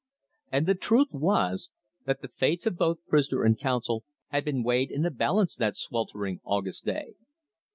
And the truth was, that the fates of both prisoner and counsel had been weighed in the balance that sweltering August day.